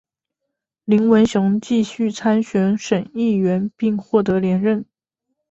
林文雄继续参选省议员并获得连任。